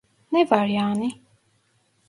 Ne var yani?